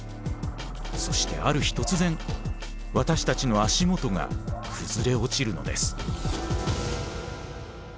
そしてある日突然私たちの足元が崩れ落ちるのです。